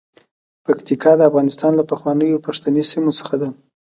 پکتیکا د افغانستان له پخوانیو پښتني سیمو څخه ده.